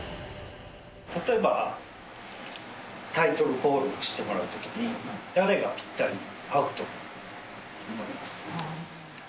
例えば、タイトルコールをしてもらうときに、誰がぴったり合うと思いますか？